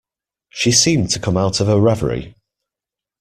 She seemed to come out of a reverie.